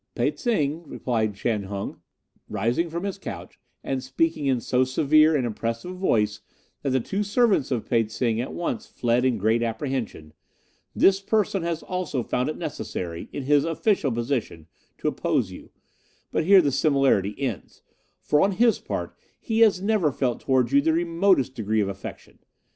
"'Pe tsing,' replied Chan Hung, rising from his couch and speaking in so severe and impressive a voice that the two servants of Pe tsing at once fled in great apprehension, 'this person has also found it necessary, in his official position, to oppose you; but here the similarity ends, for, on his part, he has never felt towards you the remotest degree of affection.